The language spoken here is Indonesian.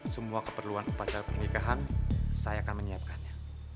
semua keperluan upacara pernikahan saya akan menyiapkannya